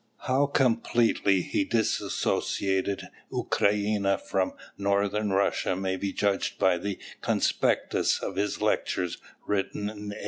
How completely he disassociated Ukrainia from Northern Russia may be judged by the conspectus of his lectures written in 1832.